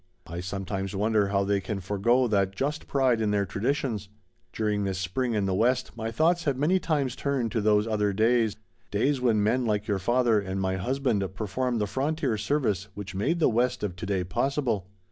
I sometimes wonder how they can forego that just pride in their traditions. During this spring in the West my thoughts have many times turned to those other days, days when men like your father and my husband performed the frontier service which made the West of to day possible.